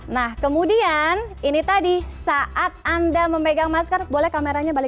nah kemudian ini tadi saat anda memegang masker boleh kameranya balik